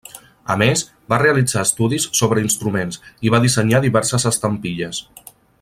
A més, va realitzar estudis sobre instruments, i va dissenyar diverses estampilles.